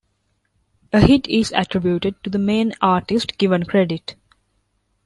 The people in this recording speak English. A hit is attributed to the main artist given credit.